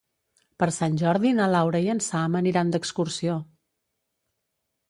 Per Sant Jordi na Laura i en Sam aniran d'excursió.